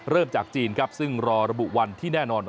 จากจีนครับซึ่งรอระบุวันที่แน่นอน